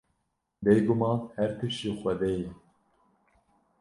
Bêguman her tişt ji Xwedê ye.